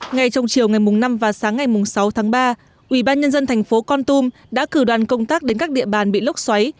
ngay trong chiều ngày năm và sáng ngày sáu tháng ba ubnd tp con tum đã cử đoàn công tác đến các địa bàn bị lốc xoáy